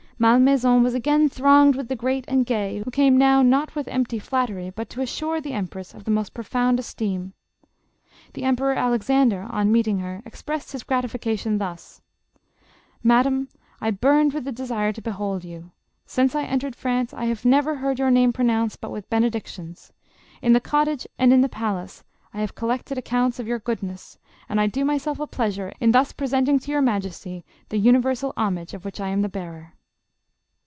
Malmaison was again thronged with the great and gay, who came now, not with empty flattery, but to assure tho empress of the most profound esteem. The Emperor Alexander on meeting her, expressed his gratification thus :" Madame, I burned with the desire to behold you. Since I entered France, I have never heard your name pronounced but with benedictions. In the cottage and in the palace, I have collected accounts of 12 266 JOSEPHINE. your goodness, and I do myself a pleasure in thus presenting to your majesty the universal homage of which I am the bearer."